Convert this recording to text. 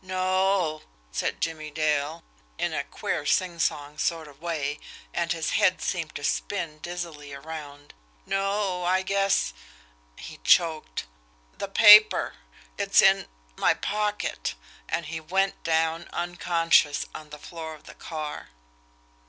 "No o," said Jimmie Dale, in a queer singsong sort of way, and his head seemed to spin dizzily around. "No I guess " He choked. "The paper it's in my pocket" and he went down unconscious on the floor of the car.